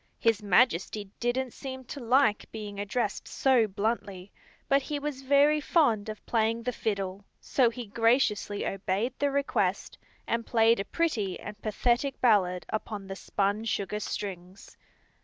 His Majesty didn't seem to like being addressed so bluntly, but he was very fond of playing the fiddle, so he graciously obeyed the request and played a pretty and pathetic ballad upon the spun sugar strings.